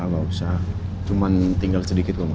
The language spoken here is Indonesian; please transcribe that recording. gak usah cuma tinggal sedikit gue mau